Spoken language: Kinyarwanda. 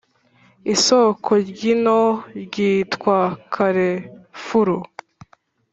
isoko ry'ino ryitwa karefuru